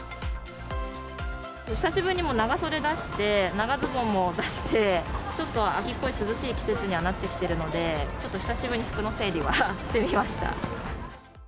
久しぶりにもう長袖出して、長ズボンも出して、ちょっと秋っぽい涼しい季節にはなってきているので、ちょっと久しぶりに服の整理はしてみました。